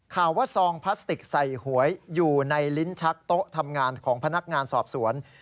ข่าวว่าซองพลาสติกใส่หวยอยู่ในลิ้นชักโต๊ะทำงานของพนักงานสอบสวน